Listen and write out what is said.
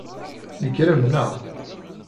Tnekrem, naɣ?